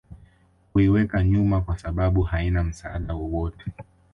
huiweka nyuma kwasababu haina msaada wowote